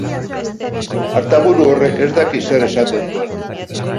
Artaburu horrek ez daki zer esaten duen.